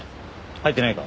入ってないか？